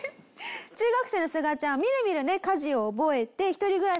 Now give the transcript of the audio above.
中学生のすがちゃんはみるみるね家事を覚えて一人暮らし